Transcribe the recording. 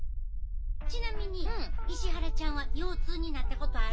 ちなみに石原ちゃんは腰痛になったことある？